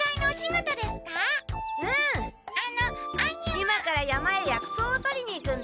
今から山へ薬草をとりに行くんだ。